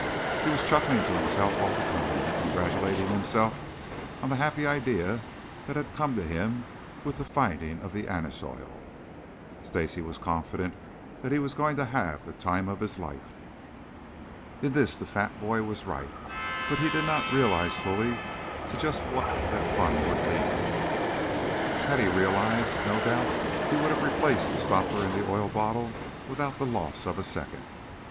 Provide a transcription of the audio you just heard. He was chuckling to himself all the time, congratulating himself on the happy idea that had come to him with the finding of the anise oil. Stacy was confident that he was going to have the time of his life. In this the fat boy was right, though he did not realize fully to just what that fun would lead. Had he realized, no doubt he would have replaced the stopper in the oil bottle without the loss of a second.